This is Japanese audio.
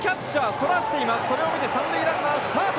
それを見て三塁ランナー、スタート。